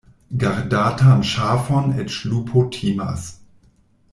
Gardatan ŝafon eĉ lupo timas.